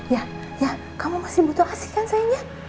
ya ya kamu masih butuh kasih kan sayangnya